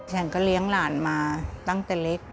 ฉันก็เลี้ยงหลานมาตั้งแต่เล็ก